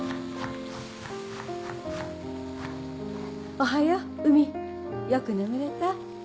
おはよう海よく眠れた？